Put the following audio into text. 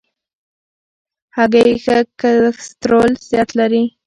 هګۍ ښه کلسترول زیات لري.